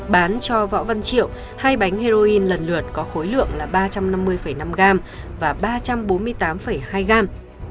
bán cho võ văn triệu hai bánh heroin lần lượt có khối lượng là ba trăm năm mươi năm gram và ba trăm bốn mươi tám hai gam